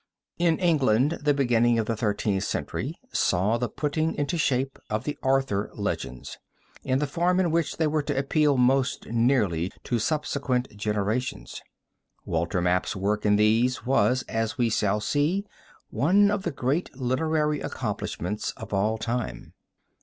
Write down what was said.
In England, the beginning of the Thirteenth Century saw the putting into shape of the Arthur Legends in the form in which they were to appeal most nearly to subsequent generations. Walter Map's work in these was, as we shall see, one of the great literary accomplishments of all time.